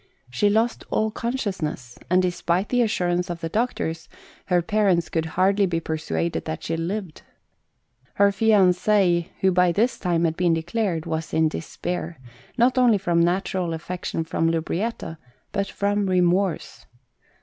She lost all consciousness, and, despite the assurance of the doctors, her parents could hardly be persuaded that she lived. Her fianc6 who by this time had been declared, was in despair, not only from natural affection for Lubrietta, but from remorse.